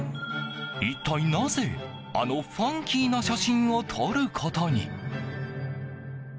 一体なぜ、あのファンキーな写真を撮ることに？